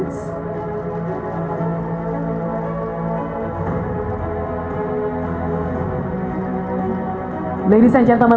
pemerintah silakan bergantung pada dokumen